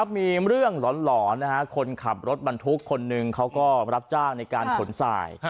มีเรื่องหลอนคนขับรถบรรทุกคนหนึ่งเขาก็รับจ้างในการขนสาย